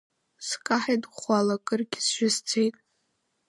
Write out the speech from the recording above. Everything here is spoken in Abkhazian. Скаҳаит ӷәӷәала, кыргьы сжьы сцеит.